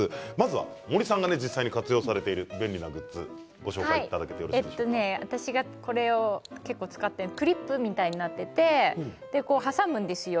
森さんが実際に活用されている私がね、使っているのはクリップみたいになっていて挟むんですよ。